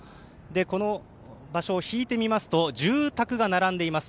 この場所、引いて見ますと住宅が並んでいます。